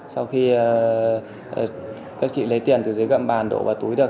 sau khi các chị lấy tiền từ dưới gầm bàn đổ vào túi được